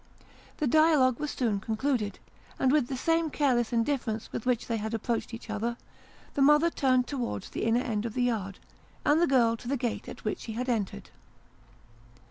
The dialogue was soon concluded ; and with the same careless indifference with which they had approached each other, the mother turned Its Women. 151 towards the inner end of the yard, and the girl to the gate at which she had entered.